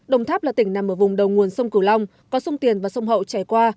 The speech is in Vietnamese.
đồng tháp là tỉnh nằm ở vùng đầu nguồn sông cửu long có sông tiền và sông hậu trải qua